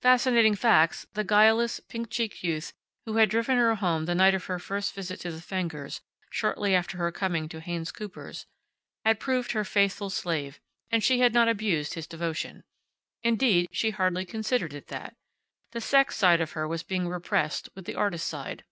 Fascinating Facts, the guileless, pink cheeked youth who had driven her home the night of her first visit to the Fengers, shortly after her coming to Haynes Cooper's, had proved her faithful slave, and she had not abused his devotion. Indeed, she hardly considered it that. The sex side of her was being repressed with the artist side.